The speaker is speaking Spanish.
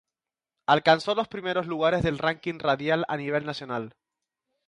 Alcanzó los primeros lugares del ranking radial a nivel nacional.